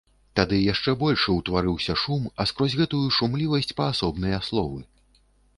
Тады яшчэ большы ўтварыўся шум, а скрозь гэтую шумлівасць паасобныя словы.